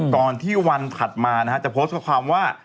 ก่อนที่วันถัดมานะฮะจะโพสต์ข้อความว่า